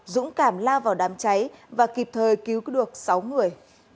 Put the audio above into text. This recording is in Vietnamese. dũng cảm lao vào đám cháy và kịp thời cứu được sáu người